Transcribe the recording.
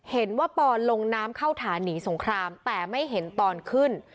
ปอนลงน้ำเข้าฐานีสงครามแต่ไม่เห็นตอนขึ้น